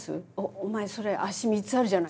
お前それ足３つあるじゃない。